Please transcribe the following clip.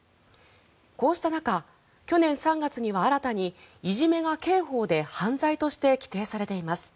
こうした中、去年３月には新たにいじめが刑法で犯罪として規定されています。